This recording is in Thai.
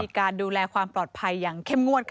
การดูแลความปลอดภัยอย่างเข้มงวด